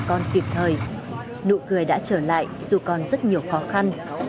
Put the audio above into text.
con kịp thời nụ cười đã trở lại dù còn rất nhiều khó khăn